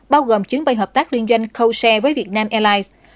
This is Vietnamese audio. bao gồm chuyến bay hợp tác liên doanh colshare với việt nam airlines